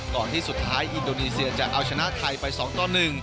ก่อนที่สุดท้ายอินโดนีเซียจะเอาชนะไทยไป๒ต่อ๑